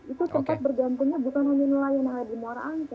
itu tepat bergantungnya bukan hanya nelayan hal di muara ante